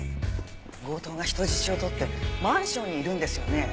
強盗が人質を取ってマンションにいるんですよね？